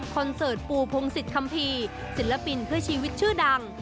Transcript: เสิร์ตปูพงศิษยคัมภีร์ศิลปินเพื่อชีวิตชื่อดัง